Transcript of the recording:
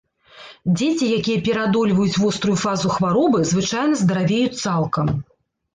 Дзеці, якія пераадольваюць вострую фазу хваробы, звычайна здаравеюць цалкам.